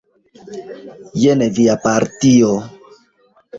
Jen via partio.